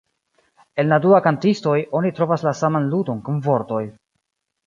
En la dua kantistoj, oni trovas la saman ludon kun vortoj.